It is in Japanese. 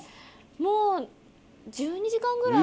もう１２時間ぐらい。